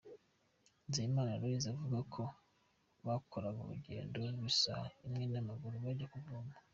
Nzeyimana Aloys avuga ko bakoraga urugendo rw’isaha imwe n’amaguru bajya kuvoma.